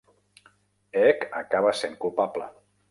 Eek acaba sent culpable.